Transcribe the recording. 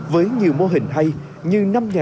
với nhiều mô hình hay như năm